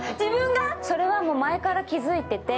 それはもう前から気づいてて。